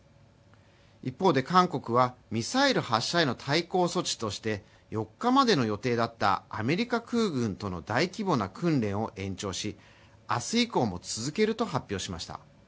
一方で韓国は、ミサイル発射への対抗措置として、４日までの予定だったアメリカ空軍との大規模な訓練を延長し明日以降も続けると発表しました。